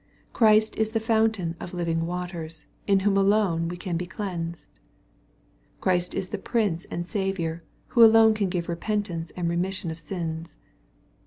Christ is the fountain of living waters, in whom alone we can be cleansed. Christ is the Prince and Saviour, who alone can give repentance and remission of sins.